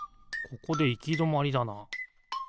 ここでいきどまりだな。